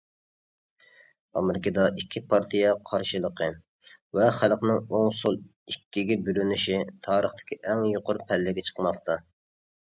ئامېرىكىدا ئىككى پارتىيە قارشىلىقى ۋە خەلقنىڭ ئوڭ -سول ئىككىگە بۆلۈنۈشى تارىختىكى ئەڭ يۇقىرى پەللىگە چىقماقتا.